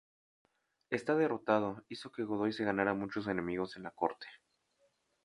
Esta derrota hizo que Godoy se ganara muchos enemigos en la corte.